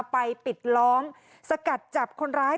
ปิดล้อมสกัดจับคนร้าย